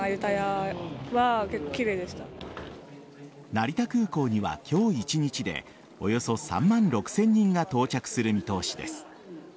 成田空港には今日一日でおよそ３万６０００人が到着する見通しです。